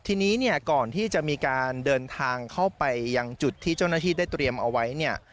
ทีนี้เนี่ยก่อนที่จะมีการเดินทางเข้าไปยังจุดที่เจ้าหน้าที่ได้เตรียมเอาไว้เนี่ย